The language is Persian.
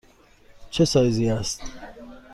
چه سایزی است؟